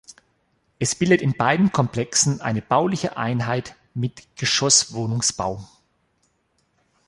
Es bildet in beiden Komplexen eine bauliche Einheit mit Geschosswohnungsbau.